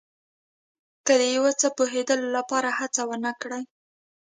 که د یو څه پوهېدلو لپاره هڅه ونه کړئ.